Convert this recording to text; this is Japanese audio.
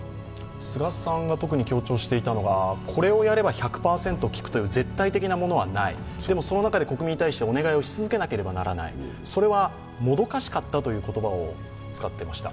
菅さんが特に強調していたのは、これをやれば１００％効くという絶対的なものはない、その中で国民に対してお願いをし続けなければならない、それはもどかしかったという言葉を使っていました。